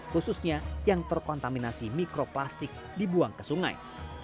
khususnya yang terkontaminasi mikroplastik dibuang ke sungai